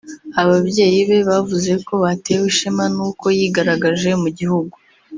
ababyeyi be bavuze ko batewe ishema n’uko yigaragaje mu gihugu